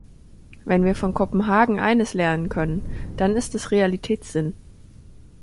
Wenn wir von Kopenhagen eines lernen können, dann ist es Realitätssinn.